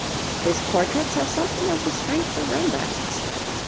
His portraits have something of the strength of Rembrandt's.